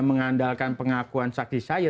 mengandalkan pengakuan saksi saja